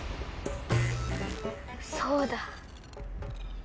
そうだ！